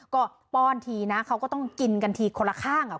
ก็ป้อนทีนะเขาก็ต้องกินกันทีคนละข้างอ่ะ